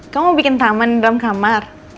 kamu bikin taman di dalam kamar